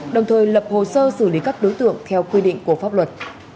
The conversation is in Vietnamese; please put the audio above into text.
đồng thời lập hồ sơ xử lý các đối tượng theo quy định của pháp luật